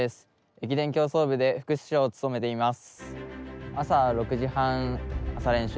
駅伝競走部で副主将を務めています。